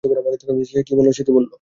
সে কী বললো?